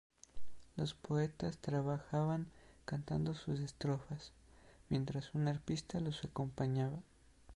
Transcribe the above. Los poetas trabajaban cantando sus estrofas, mientras un arpista los acompañaba.